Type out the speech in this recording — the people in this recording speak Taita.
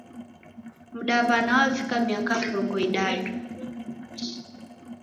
Mdaw'ana wavika miaka mrongo idadu.